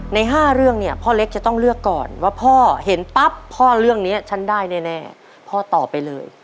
ใน๕เรื่องเนี่ยพ่อเล็กจะต้องเลือกก่อนว่าพ่อเห็นปั๊บพ่อเรื่องนี้ฉันได้แน่พ่อตอบไปเลย